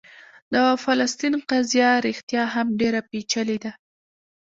د فلسطین قضیه رښتیا هم ډېره پېچلې ده.